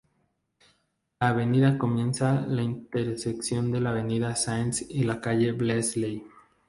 La avenida comienza en la intersección de la Avenida Sáenz y la calle "Beazley".